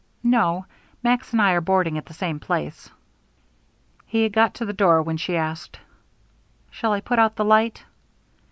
"No; Max and I are boarding at the same place." He had got to the door when she asked: "Shall I put out the light?"